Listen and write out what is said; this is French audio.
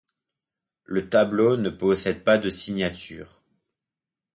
Le tableau ne possède pas de signature.